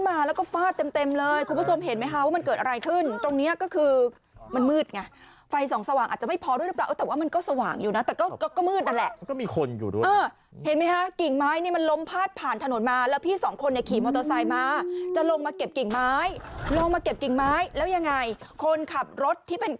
มาแล้วก็ฟาดเต็มเต็มเลยคุณผู้ชมเห็นไหมคะว่ามันเกิดอะไรขึ้นตรงเนี้ยก็คือมันมืดไงไฟส่องสว่างอาจจะไม่พอด้วยหรือเปล่าแต่ว่ามันก็สว่างอยู่นะแต่ก็ก็มืดนั่นแหละก็มีคนอยู่ด้วยเออเห็นไหมฮะกิ่งไม้เนี่ยมันล้มพาดผ่านถนนมาแล้วพี่สองคนเนี่ยขี่มอเตอร์ไซค์มาจะลงมาเก็บกิ่งไม้ลงมาเก็บกิ่งไม้แล้วยังไงคนขับรถที่เป็น